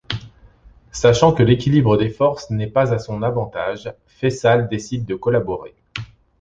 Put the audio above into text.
Sachant que l'équilibre des forces n'est pas à son avantage, Fayçal décide de collaborer.